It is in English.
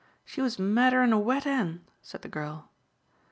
"She was madder'n a wet hen," said the girl.